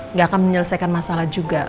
nggak akan menyelesaikan masalah juga